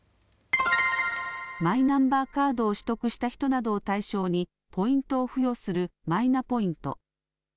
マイナンバーカードを取得した人などを対象にポイントを付与するマイナポイント。